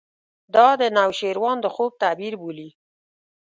دا د نوشیروان د خوب تعبیر بولي.